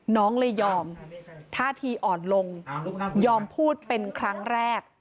น้องเลยยอมท่าทีอ่อนลงยอมพูดเป็นครั้งแรก